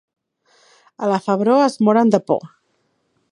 A la Febró es moren de por.